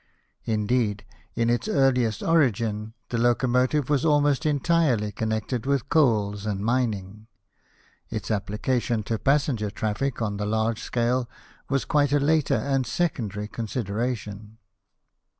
Indeed, in its earliest origin, the locomotive was almost entirely connected with coals and mining ; its application to passenger traffic on the large scale was quite a later and secondary con sideration.